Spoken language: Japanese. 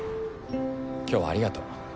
今日はありがと。